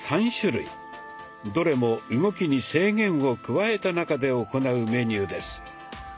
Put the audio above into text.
どれも動きに制限を加えた中で行うメニューです。